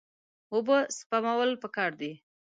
اوبه سپمول پکار دي.